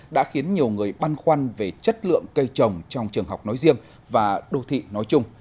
đã khiến nhiều người băn khoăn về chất lượng cây trồng trong trường học nói riêng và đô thị nói chung